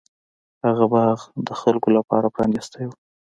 هغه باغ د خلکو لپاره پرانیستی و.